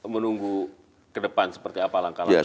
menunggu ke depan seperti apa langkah langkah